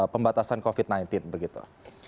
pembatasan covid sembilan belas begitu